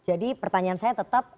jadi pertanyaan saya tetap